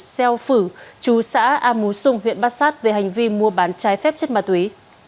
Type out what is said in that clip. xeo phử chú xã a mú xung huyện bát sát về hành vi mua bán trái phép chất ma túy